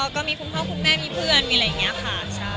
ก็มีคุณพ่อคุณแม่มีเพื่อนมีอะไรอย่างนี้ค่ะ